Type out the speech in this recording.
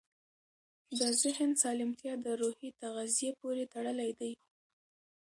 د ذهن سالمتیا د روحي تغذیې پورې تړلې ده.